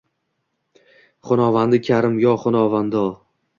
Xudovandi karim… yo xudovando…